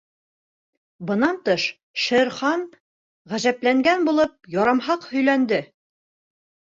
Бынан тыш, Шер Хан ғәжәпләнгән булып ярамһаҡ һөйләнде.